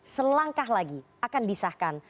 selangkah lagi akan disahkan